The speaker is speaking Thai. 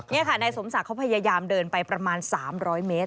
นี่ค่ะนายสมศักดิ์เขาพยายามเดินไปประมาณ๓๐๐เมตร